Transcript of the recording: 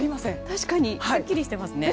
確かにすっきりしてますね。